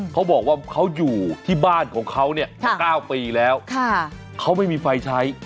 เขาบอกว่าเขาอยู่ที่บ้านของเขาเนี่ยมา๙ปีแล้วเขาไม่มีไฟใช้